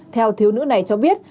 theo thiếu nữ này cho biết